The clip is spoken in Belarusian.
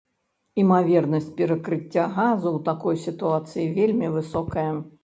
Імавернасць перакрыцця газу ў такой сітуацыі вельмі высокая.